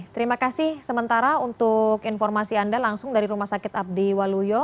terima kasih sementara untuk informasi anda langsung dari rumah sakit abdi waluyo